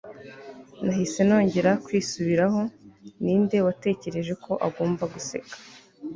nahise nongera kwisubiraho. ninde watekereje ko agomba guseka